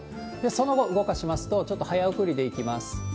その後、動かしますと、ちょっと早送りでいきます。